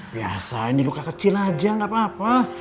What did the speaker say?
biasa ini luka kecil aja gak apa apa